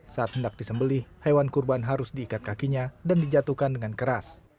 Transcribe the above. saat hendak disembelih hewan kurban harus diikat kakinya dan dijatuhkan dengan keras